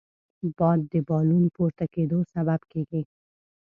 باد د بالون پورته کېدو سبب کېږي